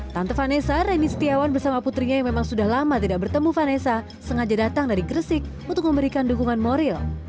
tante vanessa reni setiawan bersama putrinya yang memang sudah lama tidak bertemu vanessa sengaja datang dari gresik untuk memberikan dukungan moral